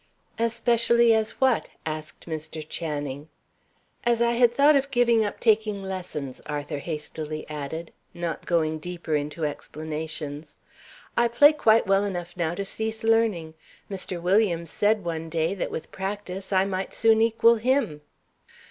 "Especially as what?" asked Mr. Channing. "As I had thought of giving up taking lessons," Arthur hastily added, not going deeper into explanations. "I play quite well enough, now, to cease learning. Mr. Williams said one day, that, with practice, I might soon equal him."